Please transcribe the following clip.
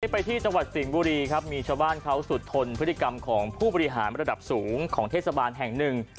ไปที่จังหวัดสิงห์บุรีครับมีชาวบ้านเขาสุดทนพฤติกรรมของผู้บริหารระดับสูงของเทศบาลแห่งหนึ่ง